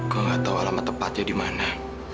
gue gak tau alamat tempatnya dimana